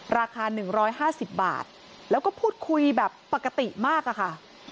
ราคา๑๕๐บาทแล้วก็พูดคุยแบบปกติมากอะค่ะ